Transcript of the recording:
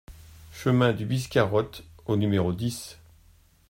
Chemin du Biscarot au numéro dix